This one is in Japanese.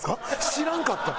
知らんかった。